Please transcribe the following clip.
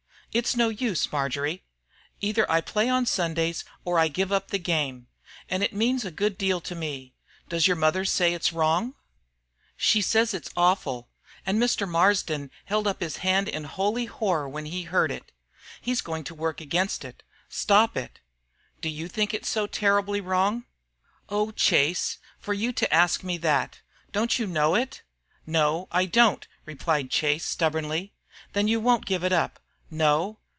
"It's no use, Marjory. Either I play on Sundays or give up the game. And it means a good deal to me. Does your mother say it's wrong?" "She says it's awful. And Mr. Marsden held up his hand in holy horror when he heard it. He's going to work against it stop it." "Do you think it's so terribly wrong?" "Oh, Chase, for you to ask me that! Don't you know it?" "No, I don't," replied Chase, stubbornly. "Then you won't give it up?" "No."